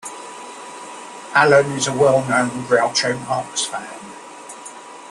Allen is a well-known Groucho Marx fan.